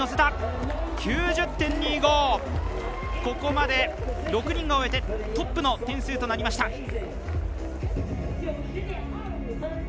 ここまで６人が終えてトップの点数となりました。